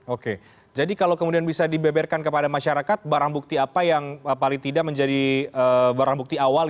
oke jadi kalau kemudian bisa dibeberkan kepada masyarakat barang bukti apa yang paling tidak menjadi barang bukti awal